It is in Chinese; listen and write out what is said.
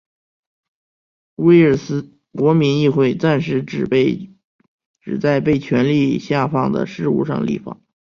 威尔斯国民议会暂时只在被权力下放的事务上立法。